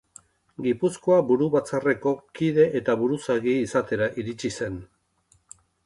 Gipuzkoa Buru Batzarreko kide eta buruzagi izatera iritsi zen.